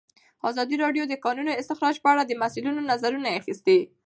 ازادي راډیو د د کانونو استخراج په اړه د مسؤلینو نظرونه اخیستي.